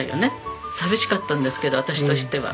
寂しかったんですけど私としては。